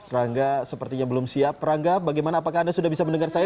rangga sepertinya belum siap rangga bagaimana apakah anda sudah bisa mendengar saya